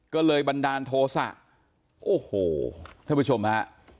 ก็เลยบันดาลโทรศะท่านผู้ชมฮะ